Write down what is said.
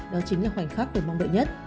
đó chính là khoảnh khắc được mong đợi nhất